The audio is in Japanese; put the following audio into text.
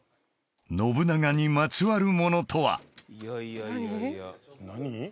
信長にまつわるものとは？